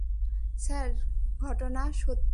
Sir, ঘটনা সত্যি।